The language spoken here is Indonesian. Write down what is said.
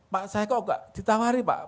pak saya kok nggak ditawari pak